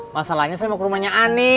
masalahnya saya mau kuncinya